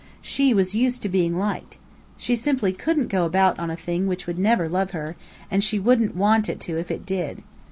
She was used to being liked. She simply couldn't go about on a thing which would never love her, and she wouldn't want it to if it did.